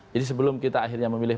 jadi sebelum kita akhirnya memilih